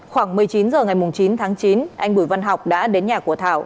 khoảng một mươi chín h ngày chín tháng chín anh bùi văn học đã đến nhà của thảo